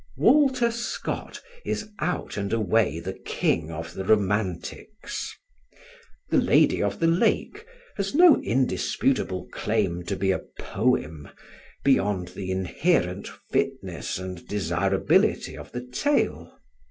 Walter Scott is out and away the king of the romantics. The Lady of the Lake has no indisputable claim to be a poem beyond the inherent fitness and desirability of the tale.